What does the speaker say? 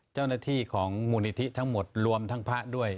เจ้าหน้าที่ของมูลนิธิทั้งหมดรวมทั้งพระด้วย